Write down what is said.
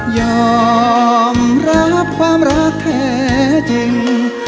ยอมรับความรักแท้จริง